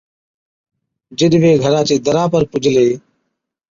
جِڏ وي گھرا چي دَرا پر پُجلي